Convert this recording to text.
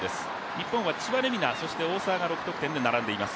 日本は千葉玲海菜、大澤が６得点で並んでいます。